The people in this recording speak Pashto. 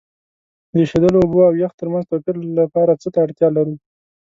د ایشیدلو اوبو او یخ ترمنځ توپیر لپاره څه ته اړتیا لرو؟